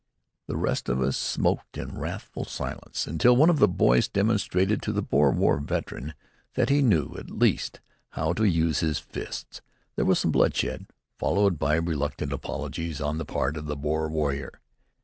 The rest of us smoked in wrathful silence, until one of the boys demonstrated to the Boer War veteran that he knew, at least, how to use his fists. There was some bloodshed, followed by reluctant apologies on the part of the Boer warrior.